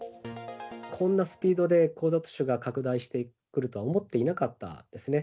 こんなスピードで交雑種が拡大してくるとは思っていなかったですね。